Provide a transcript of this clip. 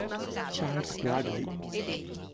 Charles Bradley